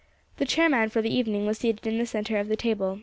The chairman for the evening was seated in the centre of the table.